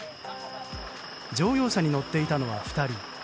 乗用車に乗っていたのは２人。